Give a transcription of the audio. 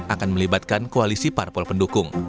akan melibatkan koalisi parpol pendukung